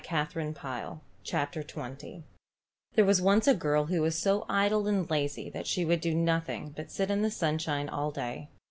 THE THREE SPINNERS There was once a girl who was so idle and lazy that she would do nothing but sit in the sunshine all day.